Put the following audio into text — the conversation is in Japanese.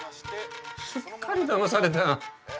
すっかりだまされた。